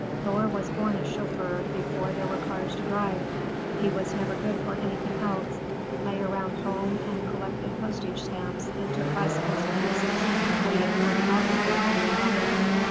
Thor was born a chauffeur before there were cars to drive. He was never good for anything else; lay around home and collected postage stamps and took bicycles to pieces, waiting for the automobile to be invented.